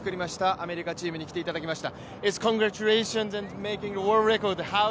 アメリカチームに来ていただきました。